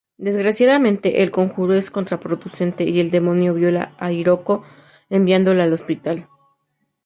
Desgraciadamente el conjuro es contraproducente y el demonio viola a Hiroko enviándola al hospital.